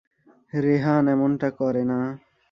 রেহান এমনটা করে না।